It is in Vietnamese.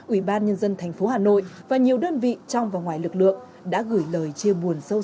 ủy ban nhân dân thành phố hà nội và nhiều đơn vị trong và ngoài lực lượng đã gửi lời chia buồn sâu